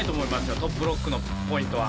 トップロックのポイントは。